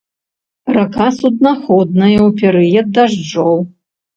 Рака суднаходная ў перыяд дажджоў.